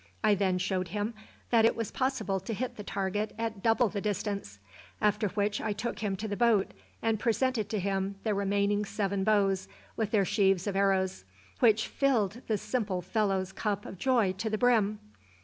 I then showed him that it was possible to hit the target at double the distance; after which I took him to the boat and presented to him the remaining seven bows, with their sheaves of arrows, which filled the simple fellow's cup of joy to the brim.